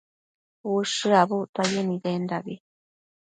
ushË abuctuaye nidendabi